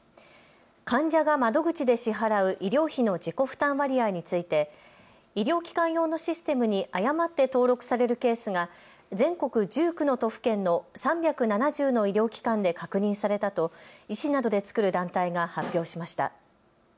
患者が窓口で支払う医療費の自己負担割合について医療機関用のシステムに誤って登録されるケースが全国１９の都府県の３７０の医療機関で確認されたと医師などで作る団体が発表しました。